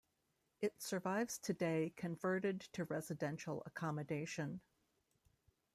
It survives today converted to residential accommodation.